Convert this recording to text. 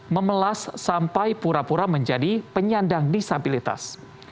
memelas sampai pura pura menjadi penyandang disabilitas